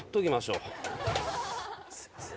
すみません。